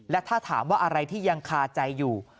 และถ้าถามว่าอะไรที่ยังคาใจอยู่